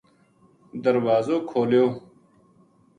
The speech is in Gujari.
دروازو کھولیو